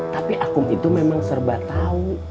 tapi akum itu memang serba tau